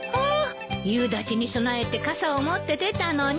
夕立に備えて傘を持って出たのに。